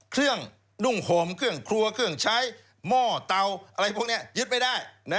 เครื่องนุ่งห่มเครื่องครัวเครื่องใช้หม้อเตาอะไรพวกนี้ยึดไม่ได้